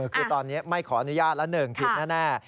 คือตอนนี้ไม่ขออนุญาตละ๑ผิดแน่